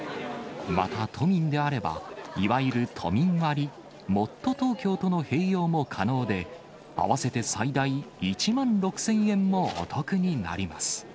また都民であれば、いわゆる都民割、もっとＴｏｋｙｏとの併用も可能で、合わせて最大１万６０００円もお得になります。